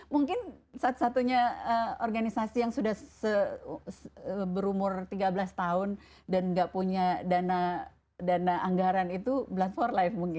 mungkin satu satunya organisasi yang sudah berumur tiga belas tahun dan nggak punya dana anggaran itu blood for life mungkin